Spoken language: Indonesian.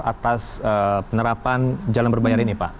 atas penerapan jalan berbayar ini pak